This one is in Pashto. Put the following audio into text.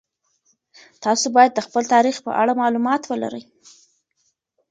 تاسو باید د خپل تاریخ په اړه مالومات ولرئ.